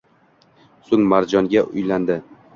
So‘ng Marjong‘a uylandi